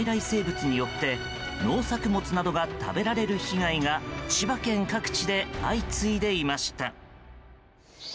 生物によって農作物などが食べられる被害が千葉県各地で相次いでいました。